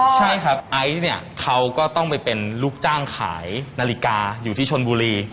ใช่ครับไอซ์เนี่ยเขาก็ต้องไปเป็นลูกจ้างขายนาฬิกาอยู่ที่ชนบุรี